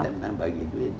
saya tidak bagi duit